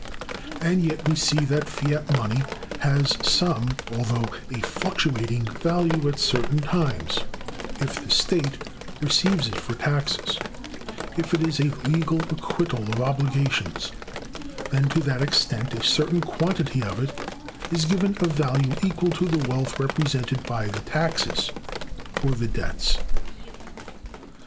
And yet we see that fiat money has some, although a fluctuating, value at certain times: if the State receives it for taxes, if it is a legal acquittal of obligations, then, to that extent, a certain quantity of it is given a value equal to the wealth represented by the taxes, or the debts.